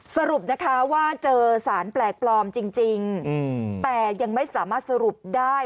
สรุปนะคะว่าเจอสารแปลกปลอมจริงแต่ยังไม่สามารถสรุปได้